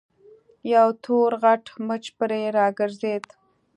يو تور غټ مچ پرې راګرځېد.